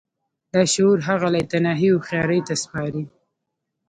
لاشعور هغه لايتناهي هوښياري ته سپاري.